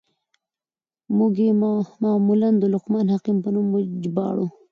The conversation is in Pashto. موږ ئې معمولاً د لقمان حکيم په نوم ژباړو.